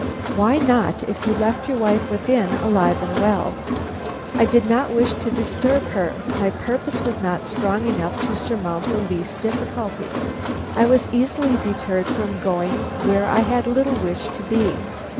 "Why not, if you left your wife within, alive and well?" "I did not wish to disturb her. My purpose was not strong enough to surmount the least difficulty. I was easily deterred from going where I had little wish to be."